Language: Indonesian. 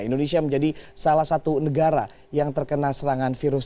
indonesia menjadi salah satu negara yang terkena serangan virus